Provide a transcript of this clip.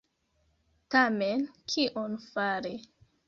Tamen kion fari?